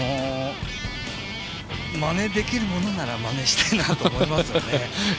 まねできるものならまねしたいなと思いますけどね。